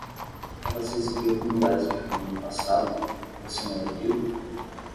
Ela se exibiu como lésbica no ano passado? você não ouviu?